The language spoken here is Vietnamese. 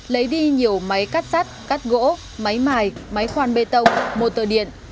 lấy đi nhiều máy cắt sắt cắt gỗ máy mài máy khoan bê tông mô tờ điện